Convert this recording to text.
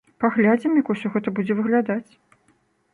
Паглядзім, як усё гэта будзе выглядаць.